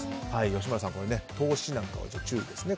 吉村さん投資なんかは注意ですね。